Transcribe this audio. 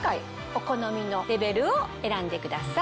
お好みのレベルを選んでください。